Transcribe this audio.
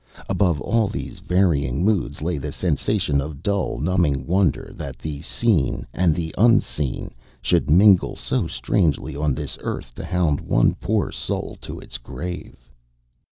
Above all these varying moods lay the sensation of dull, numbing wonder that the Seen and the Unseen should mingle so strangely on this earth to hound one poor soul to its grave.